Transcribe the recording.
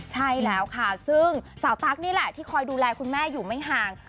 ใช่แล้วค่ะซึ่งสาวตั๊กนี่แหละที่คอยดูแลคุณแม่อยู่ไม่ห่าง